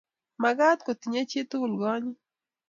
Makaat kotinye chi tukul konyit.